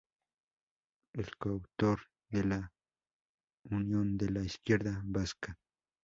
Es coautor de "La unión de la izquierda vasca.